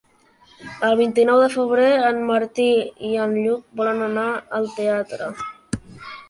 El vint-i-nou de febrer en Martí i en Lluc volen anar al teatre.